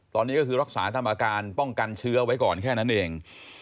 ตอนนี้ก็คือรักษาตามอาการป้องกันเชื้อไว้ก่อนแค่นั้นเอง